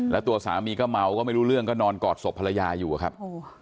แล้วตัวสามีก็เมาก็ไม่รู้เรื่องก็นอนกอดศพภรรยาอยู่อะครับ